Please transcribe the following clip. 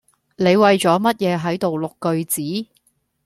你為咗乜嘢喺度錄句子